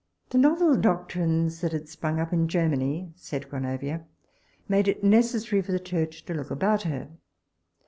The novel doctrines that had sprung up in Germany, said Gronovia, made it necessary for the church to look about her.